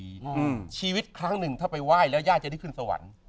อืมชีวิตครั้งหนึ่งถ้าไปไหว้แล้วย่าจะได้ขึ้นสวรรค์